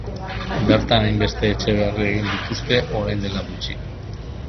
Bertan hainbeste etxe berri egin dituzte orain dela gutxi.